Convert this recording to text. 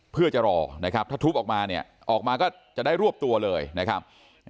เพื่อจะรอนะครับถ้าทุบออกมาเนี่ยออกมาก็จะได้รวบตัวเลยนะครับ